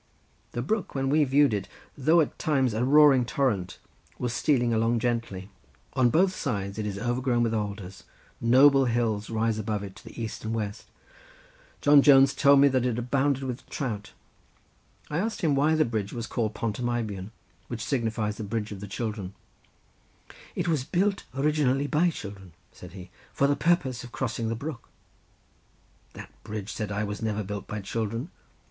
The brook, when we viewed it, though at times a roaring torrent, was stealing along gently. On both sides it is overgrown with alders; noble hills rise above it to the east and west; John Jones told me that it abounded with trout. I asked him why the bridge was called Pont y Meibion, which signifies the bridge of the children. "It was built originally by children," said he, "for the purpose of crossing the brook." "That bridge," said I, "was never built by children."